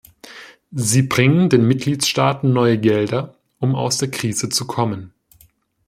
Sie bringen den Mitgliedstaaten neue Gelder, um aus der Krise zu kommen.